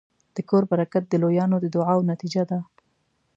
د کور برکت د لویانو د دعاوو نتیجه ده.